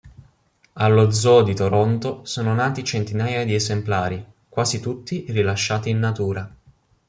Allo Zoo di Toronto sono nati centinaia di esemplari, quasi tutti rilasciati in natura.